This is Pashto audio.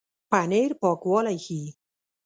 پنېر پاکوالی ښيي.